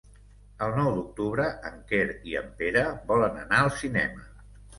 El nou d'octubre en Quer i en Pere volen anar al cinema.